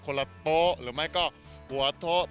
ละโป๊ะหรือไม่ก็หัวโทะ